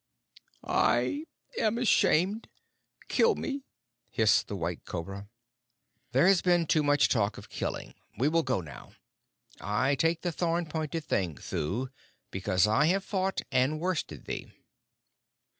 "I am ashamed. Kill me!" hissed the White Cobra. "There has been too much talk of killing. We will go now. I take the thorn pointed thing, Thuu, because I have fought and worsted thee."